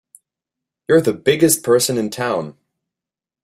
You're the biggest person in town!